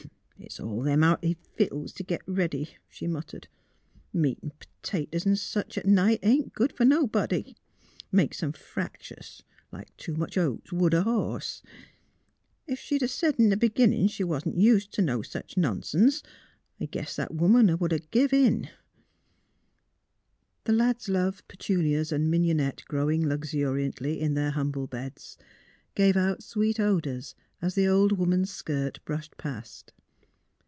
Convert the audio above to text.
," It's all them hearty vittles t' git ready," she muttered. " Meat 'n' p'tatoes 'n' sich at night ain't good fer nobody. Makes 'em frac tious, like too much oats would a horse. Ef she'd a said in the th' b'ginnin' she wasn't ust t' no sech nonsense, I guess that woman 'd 'a' giv' in." The lad's love, petunias, and mignonette grow ing luxuriantly in their humble beds gave out sweet odours as the old woman's skirt brushed past.